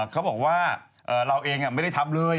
เขาบอกว่าเราเองไม่ได้ทำเลย